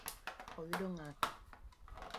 Oyudo ng’ato?